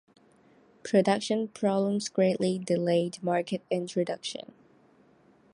Production problems greatly delayed market introduction.